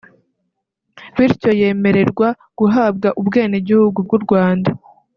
bityo yemererwa guhabwa ubwenegihugu bw’u Rwanda